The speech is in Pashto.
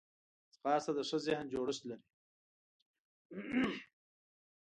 ځغاسته د ښه ذهن جوړښت لري